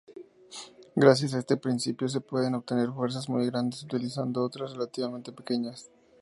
Gracias a este principio se pueden obtener fuerzas muy grandes utilizando otras relativamente pequeñas.